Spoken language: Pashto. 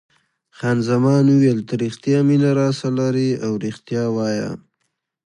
خان زمان وویل: ته رښتیا مینه راسره لرې او رښتیا وایه.